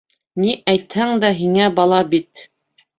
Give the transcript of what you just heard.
Ни әйтһәң дә, һиңә бала бит.